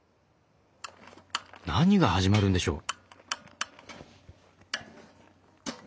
何が始まるんでしょう？